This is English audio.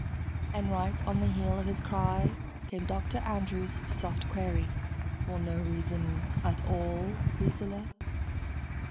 And right on the heel of his cry came Dr. Andrews' soft query, "For no reason at all, Lucilla?"